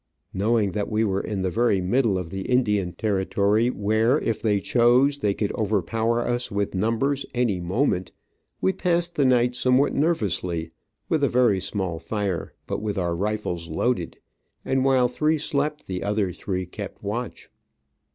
Knowing that we were in the very middle of the Indian territory, where, if they chose, they could overpower us with numbers any moment, we passed the night somewhat nervously, with a very small fire, but with our rifles loaded, and while three slept the other three kept watch.